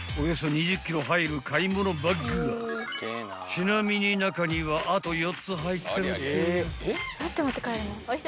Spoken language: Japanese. ［ちなみに中にはあと４つ入ってるってよ］